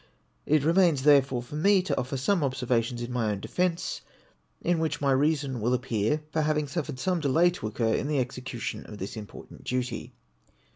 It remains, therefore, for me to offer some observa tions in my own defence, in which my reason will appear for having suffered some delay to occur in the execution of this important duty.